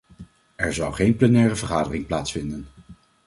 Er zal geen plenaire vergadering plaatsvinden.